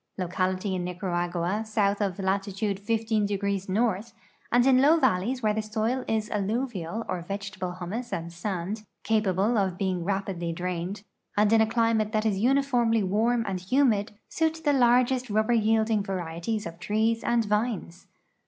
Localities in Nicaragua south of latitude lo° north, and in low valleys where the soil is alluvial or vegetable humus and sand, cajiable of being raj)idly drained, and in a climate that is uniformly warm and humid, suit the largest rubber yielding varieties of trees and vines.